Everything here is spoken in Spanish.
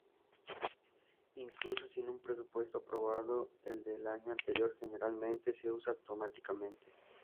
Incluso sin un presupuesto aprobado, el del año anterior generalmente se usa automáticamente.